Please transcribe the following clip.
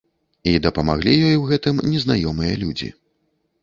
І дапамаглі ёй у гэтым незнаёмыя людзі.